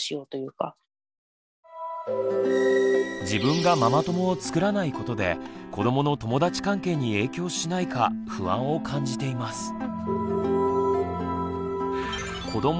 自分がママ友をつくらないことで子どもの友達関係に影響しないか不安を感じています。